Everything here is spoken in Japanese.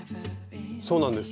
そうなんです。